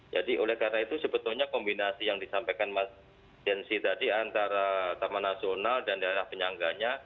jadi oleh karena itu sebetulnya kombinasi yang disampaikan mas zenzi tadi antara taman nasional dan daerah penyangganya